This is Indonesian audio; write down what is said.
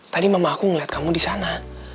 tadi mama aku ngeliat kamu di sana